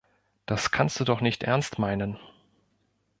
Das kannst du doch nicht ernst meinen.